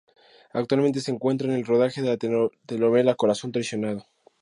Actualmente se encuentra en el rodaje de la telenovela Corazón traicionado.